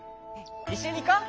いっしょにいこう。